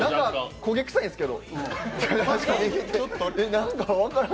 焦げ臭いんですけど。